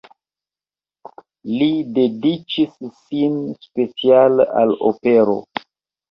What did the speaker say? Li dediĉis sin speciale al opero.